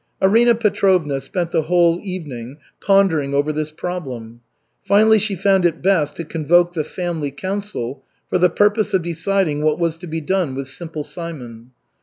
Arina Petrovna spent the whole evening pondering over this problem. Finally she found it best to convoke the family council for the purpose of deciding what was to be done with Simple Simon.